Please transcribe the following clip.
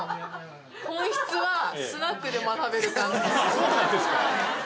そうなんですか？